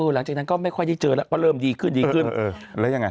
หลังจากนั้นก็ไม่ค่อยได้เจอแล้วก็เริ่มดีขึ้นดีขึ้นแล้วยังไง